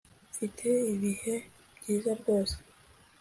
Mfite ibihe byiza rwose